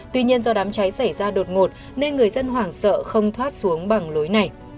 tuy nhiên do đám cháy xảy ra đột ngột nên người dân hoảng sợ không thoát xuống bằng lối này